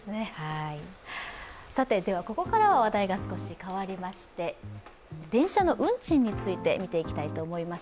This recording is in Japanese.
ここからは話題が少し変わりまして、電車の運賃について見ていきたいと思います。